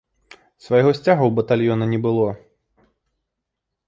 Свайго сцяга ў батальёна не было.